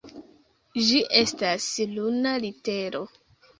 Ĝi estas luna litero.